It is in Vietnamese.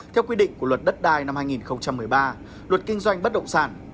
theo quy định của luật đất đai năm hai nghìn một mươi ba luật kinh doanh bất động sản